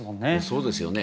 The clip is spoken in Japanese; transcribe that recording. そうですよね。